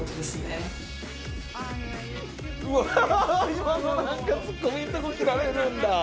今のなんかツッコミのとこ切られるんだ。